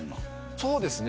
そうですね